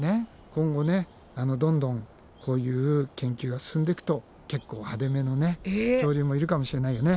今後どんどんこういう研究が進んでいくと結構派手めの恐竜もいるかもしれないよね。